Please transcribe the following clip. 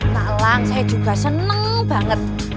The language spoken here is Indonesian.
nak elang saya juga seneng banget